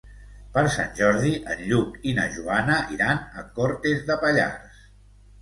Per Sant Jordi en Lluc i na Joana iran a Cortes de Pallars.